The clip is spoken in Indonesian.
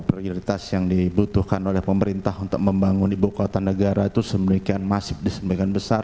prioritas yang dibutuhkan oleh pemerintah untuk membangun ibu kota negara itu sedemikian masif di sebagian besar